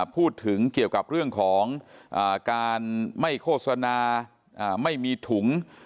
พูดถึงเกี่ยวกับเรื่องของการไม่โฆษณาไม่มีถุง